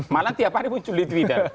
malah tiap hari muncul di trida